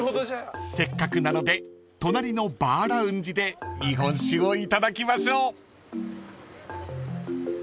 ［せっかくなので隣のバーラウンジで日本酒をいただきましょう］